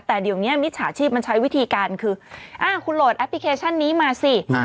แต่เดี๋ยวนี้มิจฉาชีพมันใช้วิธีการคืออ้าวคุณโหลดแอปพลิเคชันนี้มาสิ